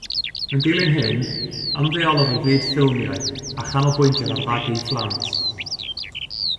Yn dilyn hyn, ymddeolodd o fyd ffilmiau a chanolbwyntiodd ar fagu'i phlant.